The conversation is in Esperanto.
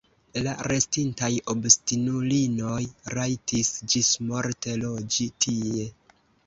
La restintaj obstinulinoj rajtis ĝismorte loĝi tie.